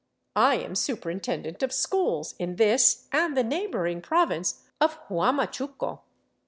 I am superintendent of schools in this and the neighboring province of Huamachuco."